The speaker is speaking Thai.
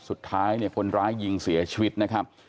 สุดท้ายเนี่ยคนร้ายยิงเสียชีวิตนะครับ